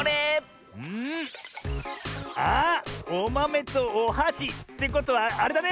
おまめとおはし。ってことはあれだね。